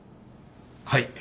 はい。